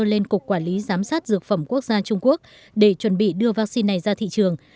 lên cục quản lý giám sát dược phẩm quốc gia trung quốc để chuẩn bị đưa vaccine này ra thị trường